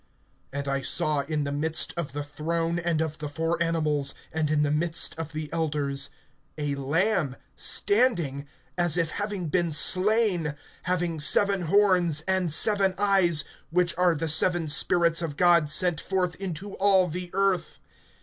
(6)And I saw, in the midst of the throne and of the four animals, and in the midst of the elders, a Lamb standing, as if having been slain, having seven horns and seven eyes, which are the seven spirits of God sent forth into all the earth.